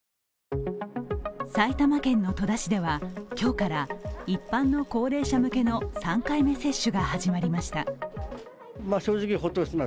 埼玉県の戸田市では今日から一般の高齢者向けの３回目接種が始まりました。